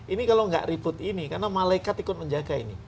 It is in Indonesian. ini kalau nggak ribut ini karena malaikat ikut menjaga ini